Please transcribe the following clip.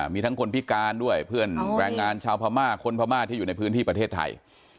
มีทั้งคนพิการด้วยเพื่อนแรงงานชาวพม่าคนพม่าที่อยู่ในพื้นที่ประเทศไทย